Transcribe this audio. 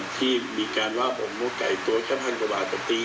ที่มีการว่าผมต้องไก่ตัวแค่๑๐๐๐บาทกว่าตี